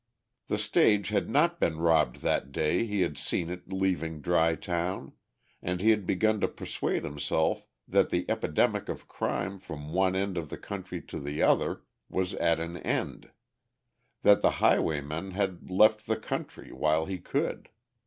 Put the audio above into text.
The stage had not been robbed that day he had seen it leaving Dry Town, and he had begun to persuade himself that the epidemic of crime from one end of the county to the other was at an end; that the highwayman had left the country while he could.